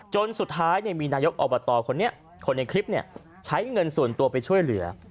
จนสุดท้ายมีนายกอบตคนนี้คนในคลิปใช้เงินส่วนตัวไปช่วยเหลือ